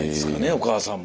お母さんも。